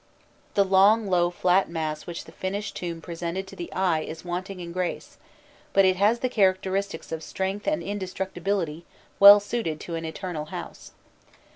The long low flat mass which the finished tomb presented to the eye is wanting in grace, but it has the characteristics of strength and indestructibility well suited to an "eternal house."